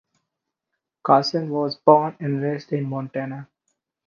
Carlson was born and raised in Montana.